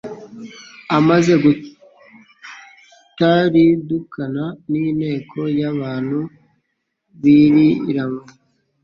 Amaze gutaridukana n'inteko y'abantu biriranywe,